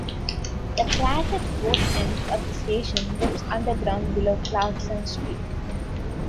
The track at both ends of the station dips underground below Clarkson Street.